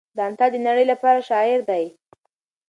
دانته د نړۍ لپاره شاعر دی.